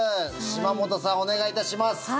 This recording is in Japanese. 島本さん、お願いいたします。